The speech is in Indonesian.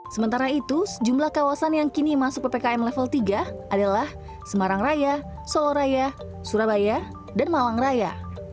sementara itu sejumlah kawasan yang kini masuk ppkm level tiga adalah semarang raya soloraya surabaya dan malang raya